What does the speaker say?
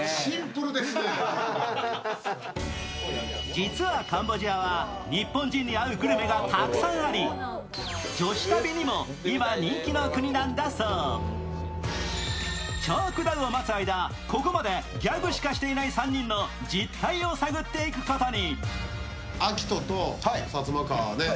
実はカンボジアは日本人に合うグルメがたくさんあり、女子旅にも今、人気の国なんだそうチャー・クダウを待つ間、ここまでギャグしかしていない３人の実態を探っていくことに。